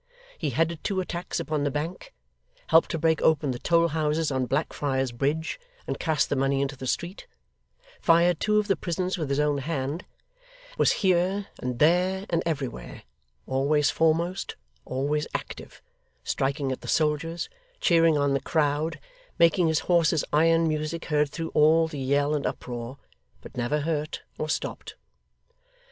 He headed two attacks upon the Bank, helped to break open the Toll houses on Blackfriars Bridge, and cast the money into the street: fired two of the prisons with his own hand: was here, and there, and everywhere always foremost always active striking at the soldiers, cheering on the crowd, making his horse's iron music heard through all the yell and uproar: but never hurt or stopped.